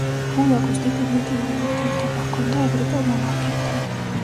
ჰულაგუს დიპლომატიური ურთიერთობა ჰქონდა ევროპელ მონარქებთან.